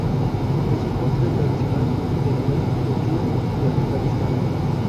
Es un postre tradicional en Irán, Turquía y Afganistán.